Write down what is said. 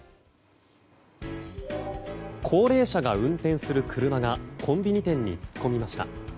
高齢者が運転する車がコンビニ店に突っ込みました。